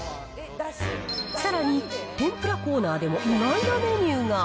さらに、天ぷらコーナーでも意外なメニューが。